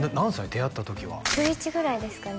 出会った時は中１ぐらいですかね？